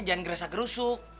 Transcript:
jangan ngerasa gerusuk